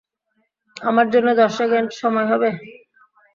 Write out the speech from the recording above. আমার জন্য দশ সেকেন্ড সময় হবে?